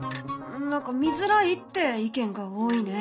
何か見づらいって意見が多いね。